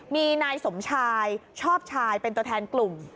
มีนายสมชายชอบชายเป็นตัวแทนกลุ่ม